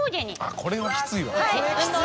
あぁこれはきついわ。